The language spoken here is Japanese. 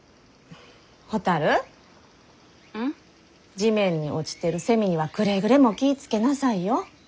地面に落ちてるセミにはくれぐれも気ぃ付けなさいよ。